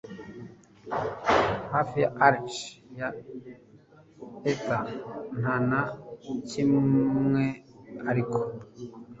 Hafi ya arch ya ether Nta na kimweariko